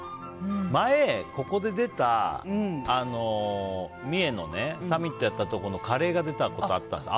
前、ここで出た三重のサミットやった時のカレーが出たことがあったんです。